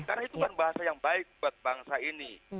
karena itu kan bahasa yang baik buat bangsa ini